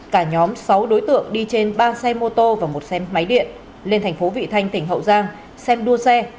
cả nhóm sáu đối tượng đi trên ba xe mô tô và một xe máy điện lên thành phố vị thanh tỉnh hậu giang xem đua xe